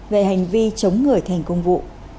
về hành vi chống người thành công vụ